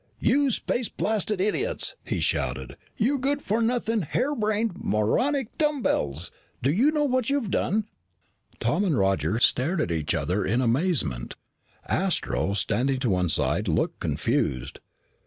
"You space blasted idiots!" he shouted. "You good for nothing harebrained, moronic dumbbells! Do you know what you've done?" Tom and Roger stared at each other in amazement. Astro, standing to one side, looked confused.